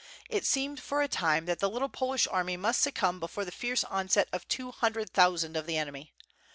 It seemed for a time that the little Polish army must succumb before the fierce onset of two hundred thousand of the enemy.